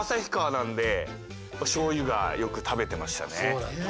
そうなんだ。